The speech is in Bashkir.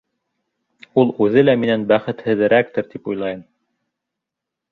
Ул үҙе лә минән бәхетһеҙерәктер, тип уйлайым.